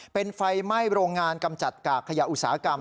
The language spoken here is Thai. เป็นไฟไหม้โรงงานกำจัดกากขยะอุตสาหกรรม